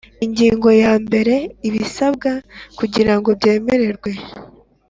Ingingo ya mbere Ibisabwa kugira ngo byemerwe